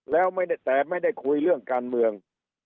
แล้วแต่ไม่ได้คุยเรื่องการเมือง